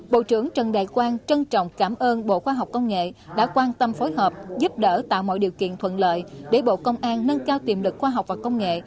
bộ trưởng trần đại quang trân trọng cảm ơn bộ khoa học công nghệ đã quan tâm phối hợp giúp đỡ tạo mọi điều kiện thuận lợi để bộ công an nâng cao tiềm lực khoa học và công nghệ